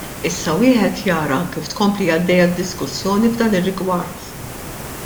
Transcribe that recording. Issa wieħed jara kif tkompli għaddejja d-diskussjoni f'dan ir-rigward.